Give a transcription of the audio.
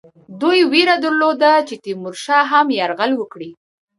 دوی وېره درلوده چې تیمورشاه هم یرغل وکړي.